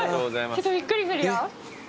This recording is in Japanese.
ちょっとびっくりするよ。